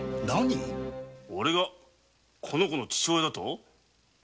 オレがこの子の父親だと？